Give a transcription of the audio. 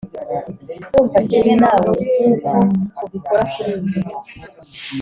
ndumva kimwe nawe nkuko ubikora kuri njye.